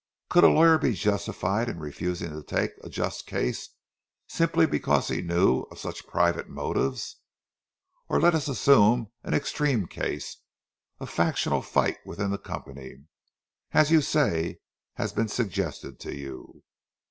Could a lawyer be justified in refusing to take a just case, simply because he knew of such private motives? Or, let us assume an extreme case—a factional fight within the company, as you say has been suggested to you.